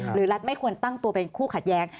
รัฐไม่ควรตั้งตัวเป็นคู่ขัดแย้ง